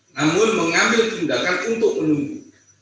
namun mengambil tindakan untuk menunggu